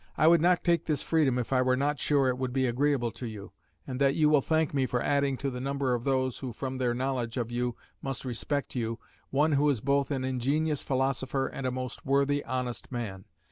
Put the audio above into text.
I would not take this freedom if I were not sure it would be agreeable to you; and that you will thank me for adding to the number of those who from their knowledge of you must respect you, one who is both an ingenious philosopher and a most worthy, honest man.